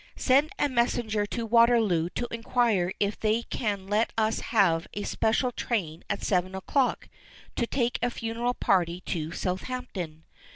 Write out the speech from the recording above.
Send a messenger to Waterloo to inquire if they can let us have a special train at seven o'clock to take a funeral party to Southampton.